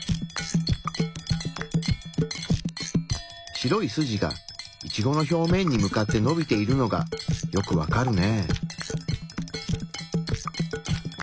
白い筋がイチゴの表面に向かってのびているのがよくわかるね。